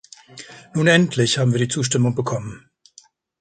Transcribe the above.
Nun endlich haben wir die Zustimmung bekommen.